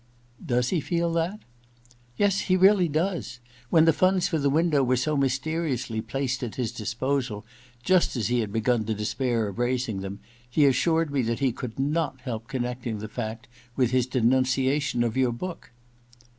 * Does he feel that?' * Yes ; he really does. When the funds for the window were so mysteriously placed at his disposal, just as he had begun to despair of raising them, he assured me that he could not help connecting the fact with his denunciation of your book.'